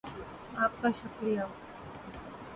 آپ کا شکریہ